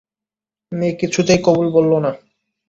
মেয়ে কিছুতেই কবুল বলল না।